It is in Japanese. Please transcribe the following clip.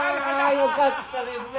よかったですね！